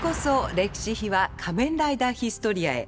「歴史秘話仮面ライダーヒストリア」へ。